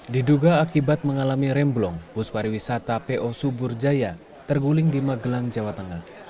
diduga akibat mengalami remblong bus pariwisata po suburjaya terguling di magelang jawa tengah